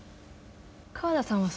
河田さんは？